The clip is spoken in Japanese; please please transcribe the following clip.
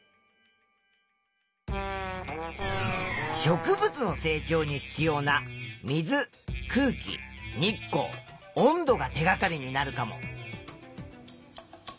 植物の成長に必要な水空気日光温度が手がかりになるかも。